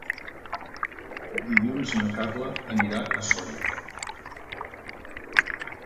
Dilluns na Carla anirà a Sóller.